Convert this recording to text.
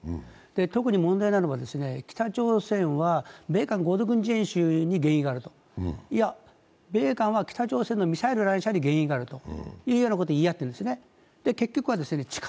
特に問題なのは、北朝鮮は米韓合同軍事演習に原因があると、いや、米韓は北朝鮮のミサイル来射に原因があると言い合っているんですね。